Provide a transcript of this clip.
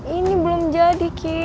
ini belum jadi ki